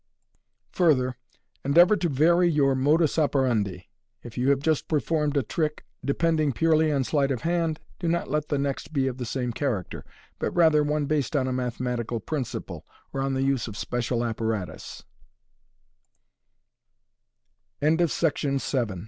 Further, endeavour to vary your modus operandi. If you have just performed a trick depending purely on sleight of hand, do not let the next be of the same character, but rather one based on a mathematical principle, or on the use of specia